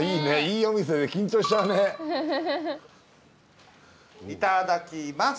いただきます！